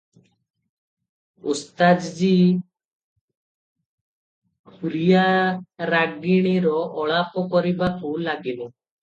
ଓସ୍ତାଦ୍ ଜୀ ପୁରିଆ ରାଗିଣୀର ଆଳାପ କରିବାକୁ ଲାଗିଲେ ।